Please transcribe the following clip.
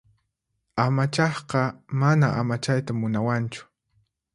Amachaqqa mana amachayta munawanchu.